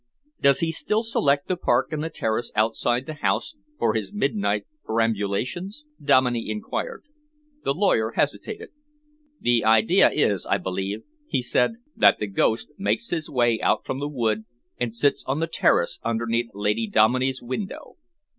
"Does he still select the park and the terrace outside the house for his midnight perambulations?" Dominey enquired. The lawyer hesitated. "The idea is, I believe," he said, "that the ghost makes his way out from the wood and sits on the terrace underneath Lady Dominey's window.